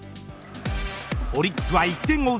オリックスは１点を追う